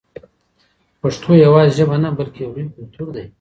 پښتو یوازې ژبه نه بلکې یو لوی کلتور دی.